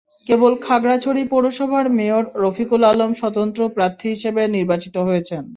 কেবল খাগড়াছড়ি পৌরসভার মেয়র রফিকুল আলম স্বতন্ত্র প্রার্থী হিসেবে নির্বাচিত হয়েছেন।